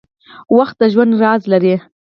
• وخت د ژوند راز لري.